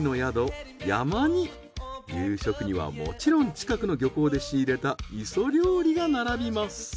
夕食にはもちろん近くの漁港で仕入れた磯料理が並びます。